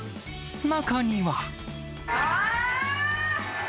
中には。